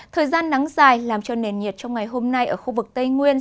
thời gian nắng dài làm cho nền nhiệt trong ngày hôm nay ở khu vực tây nguyên